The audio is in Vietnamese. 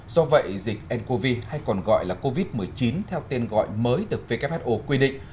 do vậy dịch ncov hay còn gọi là covid một mươi chín theo tên gọi mới được who quy định